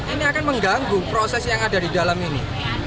ini akan mengganggu proses yang ada di dalam ini